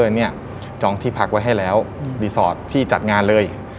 เนี่ยจองที่พักไว้ให้แล้วรีสอร์ทที่จัดงานเลย